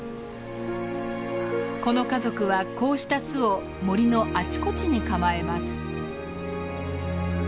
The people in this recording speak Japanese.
この家族はこうした巣を森のあちこちに構えます。